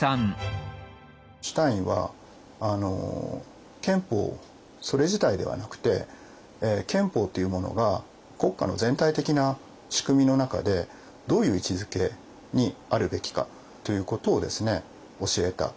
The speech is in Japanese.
シュタインは憲法それ自体ではなくて憲法っていうものが国家の全体的な仕組みの中でどういう位置付けにあるべきかということを教えたわけですね。